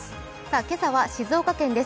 今朝は静岡県です。